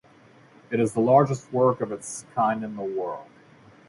It is the largest work of its kind in the world.